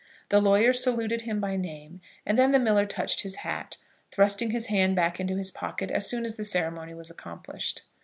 The lawyer saluted him by name, and then the miller touched his hat, thrusting his hand back into his pocket as soon as the ceremony was accomplished.